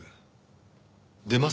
出ますよ。